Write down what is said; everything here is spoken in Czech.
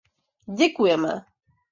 Děkujeme.